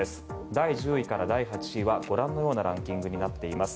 第１０位から第８位はご覧のようなランキングになっています。